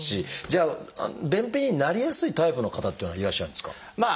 じゃあ便秘になりやすいタイプの方っていうのはいらっしゃるんですか？